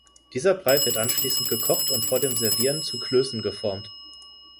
Dieser Brei wird anschließend gekocht und vor dem Servieren zu Klößen geformt.